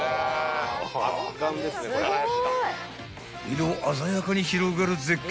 ［色鮮やかに広がる絶景］